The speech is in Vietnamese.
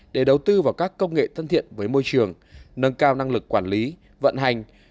để đầu tư vào các công nghệ thân thiện với môi trường nâng cao năng lực quản lý vận hành